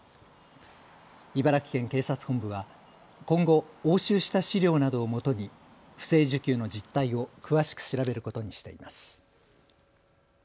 茨城県警察本部は今後、押収した資料などをもとに不正受給の実態を詳しく調べることにしています。